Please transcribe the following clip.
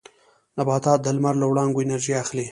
نباتات د لمر له وړانګو انرژي اخلي